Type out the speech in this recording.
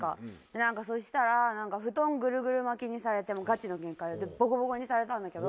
なんかそしたら布団グルグル巻きにされてガチのケンカでボコボコにされたんだけど。